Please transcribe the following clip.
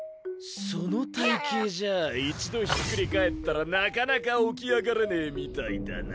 その体形じゃあ一度ひっくり返ったらなかなか起き上がれねぇみたいだな。